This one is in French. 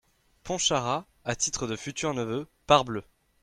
Pontcharrat.- À titre de futur neveu, parbleu !…